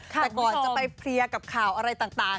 แต่ก่อนจะไปเคลียร์กับข่าวอะไรต่าง